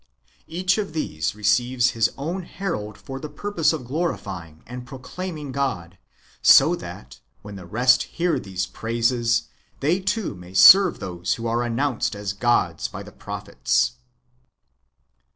Each of these receives his own herald for the purpose of glorifying and proclaiming God; so that, when the rest hear these praises, they too may serve those who are announced as gods by the prophets.